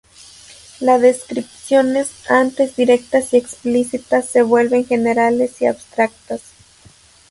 La descripciones antes directas y explícitas se vuelven generales y abstractas.